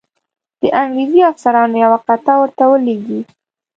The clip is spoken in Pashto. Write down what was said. د انګرېزي افسرانو یوه قطعه ورته ولیږي.